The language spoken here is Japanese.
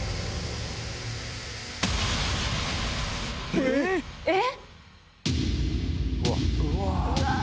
えっ⁉えっ⁉